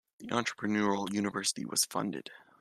The Entrepreneurial University was funded.